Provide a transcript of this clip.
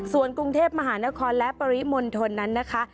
ส่วนกรุงเทพมหานครและปริมณฑลนั้นนะคะ